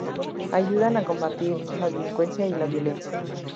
Ayudan a combatir la delincuencia y la violencia.